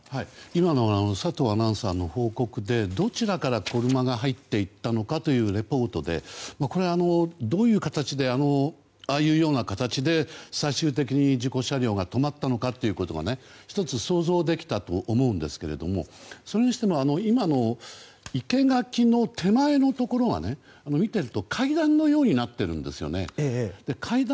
今の佐藤アナウンサーの報告でどちらから車が入っていったのかというレポートで、どういう形でああいうような形で最終的に事故車両が止まったのか１つ、想像できたと思うんですがそれにしても今の生け垣の手前のところが見ていると、階段のようになっていたんですよね。